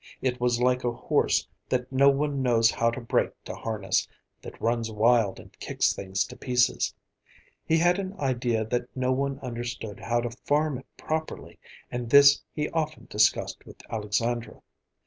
It was like a horse that no one knows how to break to harness, that runs wild and kicks things to pieces. He had an idea that no one understood how to farm it properly, and this he often discussed with Alexandra.